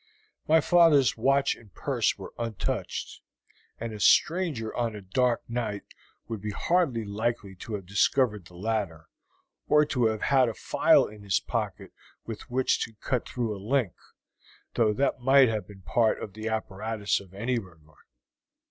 "My father's watch and purse were untouched, and a stranger on a dark night would be hardly likely to have discovered the ladder, or to have had a file in his pocket with which to cut through a link, though this might have been part of the apparatus of any burglar.